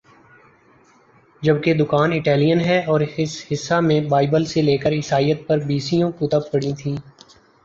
جبکہ دکان اٹالین ہے اور اس حصہ میں بائبل سے لیکر عیسائیت پر بیسیوں کتب پڑی تھیں